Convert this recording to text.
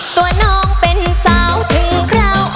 ตัวน้องเป็นสาวถึงคราว